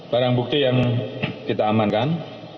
barang bukti yang kita amankan